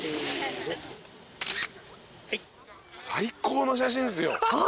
最高の写真っすよ！